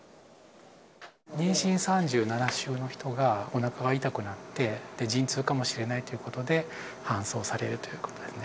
妊娠３７週の人が、おなかが痛くなって、陣痛かもしれないということで、搬送されるということなんですね。